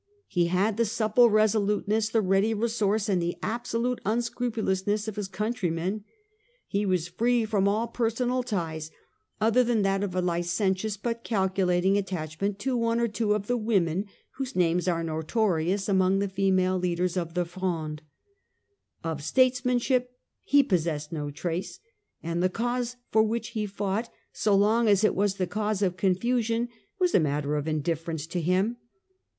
He had the supple resoluteness, the ready resource, and the absolute un scrupulousness of his countrymen. He was free from all personal ties other than that of a licentious but calcu lating attachment to one or two of the women whose names are notorious among the female leaders of the Fronde. Of statesmanship he possessed no trace ; and the cause for which he fought, so long as it was the cause of confusion, was a matter of indifference to him.